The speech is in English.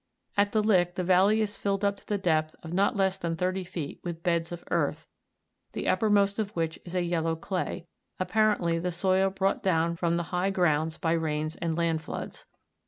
At the Lick the valley is filled up to the depth of not less .than thirty feet with beds of earth, the uppermost of which is a yellow clay, apparently the soil brought down from the high grounds by rains and land floods.